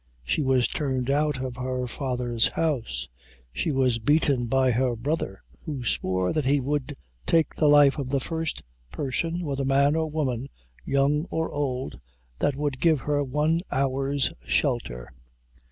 She was turned out of her father's house she was beaten by her brother who swore that he would take the life of the first person, whether man or woman, young or ould, that would give her one hour's shelter.